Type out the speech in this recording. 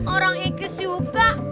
orang yang kesuka